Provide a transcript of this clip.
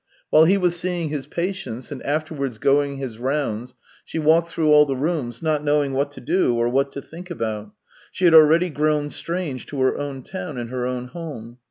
While he was seeing his patients, and afterwards going his rounds, she walked through all the rooms, not knowing what to do or what to think about. She had already grown strange to her own town and her own home.